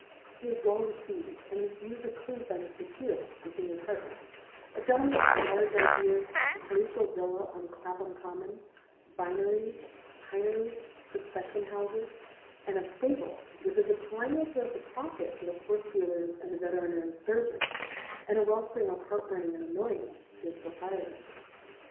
He is well received, and his views approved by Mr. Keel, the senior partner — a gen tleman with large ideas, a palatial villa on Clapham Common, vineries, pineries, succession houses, and a stable which is a perennial source of profit to the horse dealers and the veterinary surgeon, and a well spring of heart burning and annoyance to its I)roprietor.